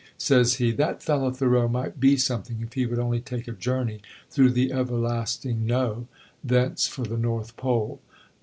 Says he, 'That fellow Thoreau might be something, if he would only take a journey through the Everlasting No, thence for the North Pole.